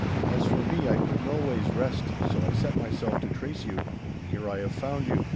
As for me, I could noways rest, so I set myself to trace you. And here I have found you.